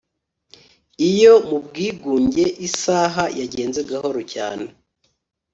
iyo, mu bwigunge, isaha yagenze gahoro cyane